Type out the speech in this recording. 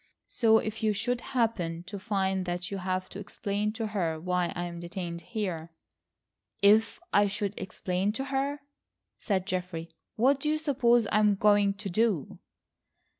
So, if you should happen to find that you have to explain to her why I am detained here—" "If I should explain to her," said Geoffrey. "What do you suppose I am going to do?"